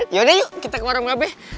yaudah yuk kita ke warung ngabe